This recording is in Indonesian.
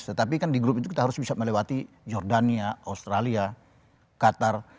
tetapi kan di grup itu kita harus bisa melewati jordania australia qatar